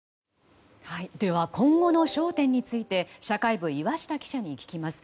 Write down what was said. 今後の焦点について社会部、岩下記者に聞きます。